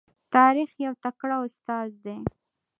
تاریخ یو تکړه استاد دی.